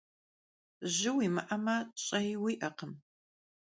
Jı vuimı'eme, ş'ei vui'ekhım.